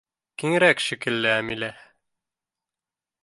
— Киңерәк шикелле, Әмилә.